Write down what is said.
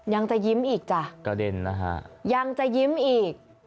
ยังจะยิ้มอีกจ้ะกระเด็นนะฮะยังจะยิ้มอีก